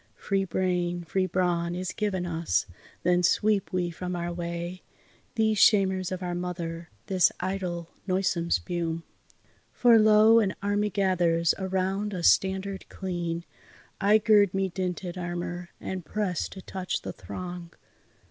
Free brain, free brawn, is given us, then sweep we from our way These shamers of our mother, this idle, noisome spume. For, lo! an army gathers around a standard clean; I gird me dinted armour, and press to touch the throng.